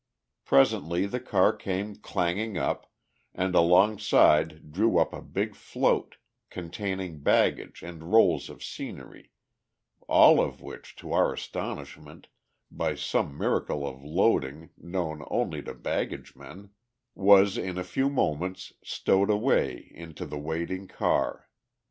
Presently the car came clanging up, and alongside drew up a big float, containing baggage and rolls of scenery all of which, to our astonishment, by some miracle of loading known only to baggagemen, was in a few moments stowed away into the waiting car.